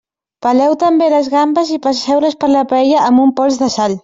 Peleu també les gambes i passeu-les per la paella amb un pols de sal.